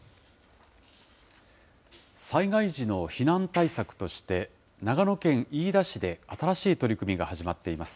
災害時の避難対策として、長野県飯田市で新しい取り組みが始まっています。